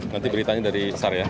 nanti diberitakan dari pasar ya